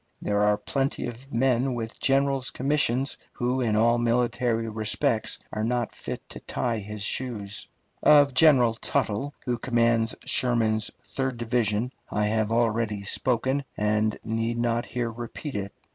There are plenty of men with generals' commissions who in all military respects are not fit to tie his shoes. Of General Tuttle, who commands Sherman's third division, I have already spoken, and need not here repeat it.